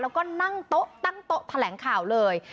แล้วก็นั่งโต๊ะตั้งโต๊ะแถลงข่าวเลย